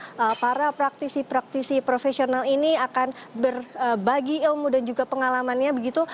bagaimana para praktisi praktisi profesional ini akan berbagi ilmu dan juga pengalamannya begitu